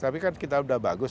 tapi kan kita udah bagus